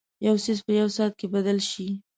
یو څیز په یوه ساعت کې بدل شي.